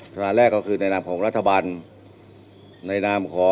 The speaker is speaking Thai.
ฐานะแรกก็คือในนามของรัฐบาล